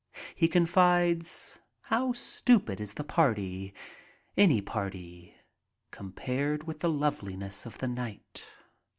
He confides, how stupid is the party, any party, compared with the loveliness of the night.